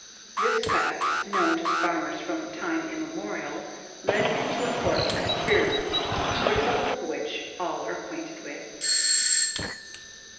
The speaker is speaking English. This fact, known to farmers from time immemorial, led him to a course of experiments, the result of which all are acquainted with.